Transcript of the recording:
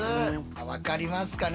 分かりますかね？